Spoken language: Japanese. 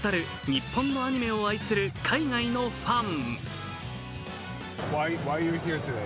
日本のアニメを愛する海外のファン。